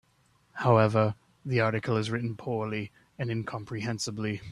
However, the article is written poorly and incomprehensibly.